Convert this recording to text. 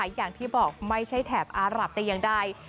อีกอย่างที่บอกไม่ใช่แถบอารับแต่ยังได้